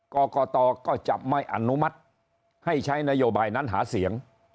กรกตก็จะไม่อนุมัติให้ใช้นโยบายนั้นหาเสียง